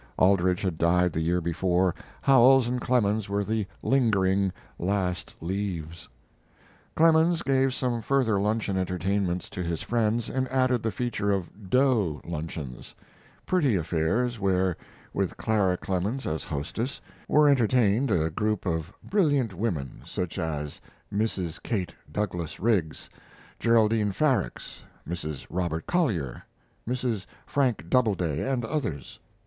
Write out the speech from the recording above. Aldrich had died the year before. Howells and Clemens were the lingering "last leaves." Clemens gave some further luncheon entertainments to his friends, and added the feature of "doe" luncheons pretty affairs where, with Clara Clemens as hostess, were entertained a group of brilliant women, such as Mrs. Kate Douglas Riggs, Geraldine Farrax, Mrs. Robert Collier, Mrs. Frank Doubleday, and others.